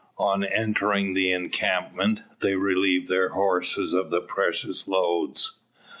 On entering the encampment, they relieve their horses of the precious loads.